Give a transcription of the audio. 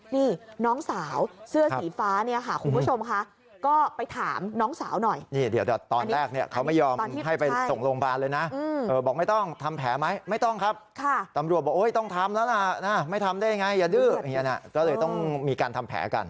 นี่น้องสาวเสื้อสีฟ้าเนี่ยค่ะคุณผู้ชมค่ะ